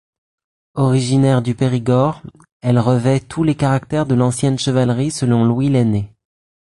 Originaire du Périgord, elle revêt tous les caractères de l'ancienne chevalerie selon Louis Lainé.